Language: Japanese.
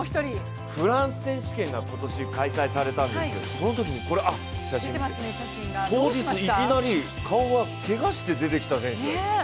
フランス選手権が今年開催されたんですけどそのときに、当日いきなり顔がけがして出てきたんですよね。